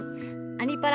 「アニ×パラ」